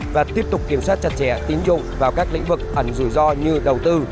và tiếp tục kiểm soát chặt chẽ tín dụng vào các lĩnh vực ẩn rủi ro như đầu tư